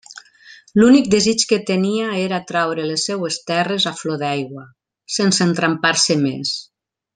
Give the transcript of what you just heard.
L'únic desig que tenia era traure les seues terres a flor d'aigua, sense entrampar-se més.